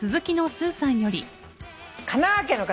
神奈川県の方。